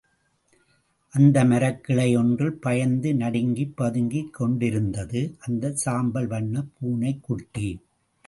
அந்த மரக்கிளையொன்றில் பயந்து நடுங்கி பதுங்கிக் கொண்டிருந்தது, அந்த சாம்பல் வண்ணப் பூனைக்குட்டி.